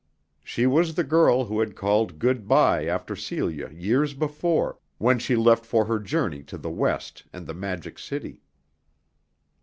She was the girl who had called good by after Celia years before, when she left for her journey to the West and the Magic City.